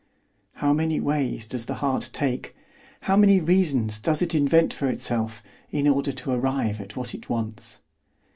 How many ways does the heart take, how many reasons does it invent for itself, in order to arrive at what it wants!